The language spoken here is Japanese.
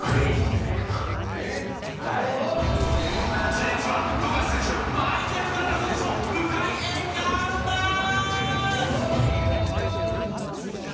実は富樫選手マイケル・カレラ選手と深い縁があるんです！